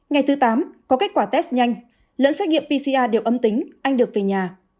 ngày thứ tám có kết quả test nhanh lẫn xét nghiệm pcr đều âm tính anh được về nhà